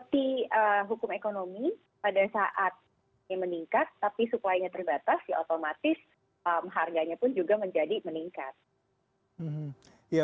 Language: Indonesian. kalau kita kalau pun nyuruh nuruh dengan sma maka sekarang nyuruh nuruh